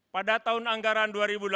pada tahun anggaran dua ribu delapan belas